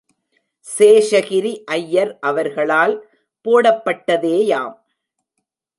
சேஷகிரி ஐயர் அவர்களால் போடப்பட்டதேயாம்.